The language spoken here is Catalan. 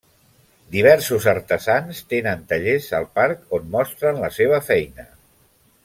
Diversos artesans tenen tallers al parc on mostren la seva feina.